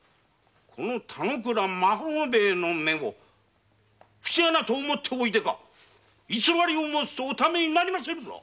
この田之倉孫兵衛の目を節穴と思っておいでか偽りを申すとおためになりませんぞ